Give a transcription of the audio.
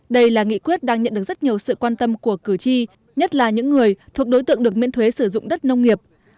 đây là nghị quyết đang nhận được rất nhiều sự quan tâm của cử tri nhất là những người thuộc đối tượng được miễn thuế sử dụng đất nông nghiệp